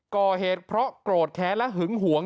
ก่อเหตุเพราะโกรธแค้นและหึงหวง